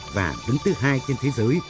và đứng thứ hai trên thế giới